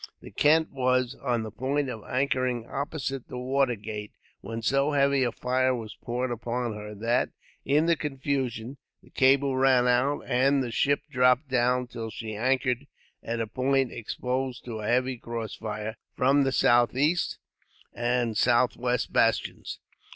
The Kent was on the point of anchoring opposite the watergate, when so heavy a fire was poured upon her that, in the confusion, the cable ran out; and the ship dropped down, till she anchored at a point exposed to a heavy crossfire from the southeast and southwest bastions.